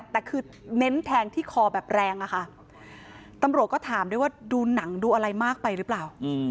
แต่คือเน้นแทงที่คอแบบแรงอะค่ะตำรวจก็ถามด้วยว่าดูหนังดูอะไรมากไปหรือเปล่า